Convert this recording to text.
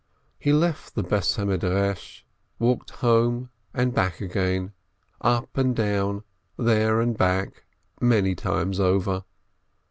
He left the house of study, walked home and back again; up and down, there and back, many times over.